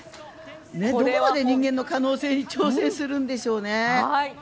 どこまで人間の可能性に挑戦するんでしょうね。